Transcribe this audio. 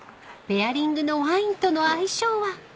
［ペアリングのワインとの相性は］